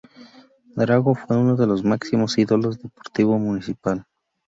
Drago fue uno de los máximos ídolos de Deportivo Municipal.